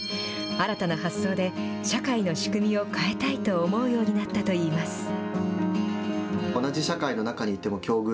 新たな発想で、社会の仕組みを変えたいと思うようになったといいます。